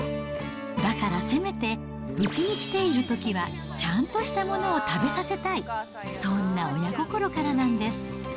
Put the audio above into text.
だからせめて、うちに来ているときは、ちゃんとしたものを食べさせたい、そんな親心からなんです。